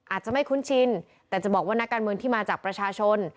อาจจะไม่คุ้นชินแต่จะบอกว่านักการเมืองที่มาจากประชาชน